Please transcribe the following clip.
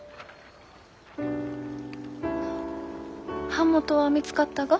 版元は見つかったが？